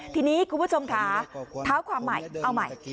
ทีนี้คุณผู้ชมค่ะเท้าความใหม่เอาใหม่